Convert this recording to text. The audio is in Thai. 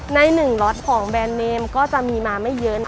ใน๑ล็อตของแบรนด์เนมก็จะมีมาไม่เยอะ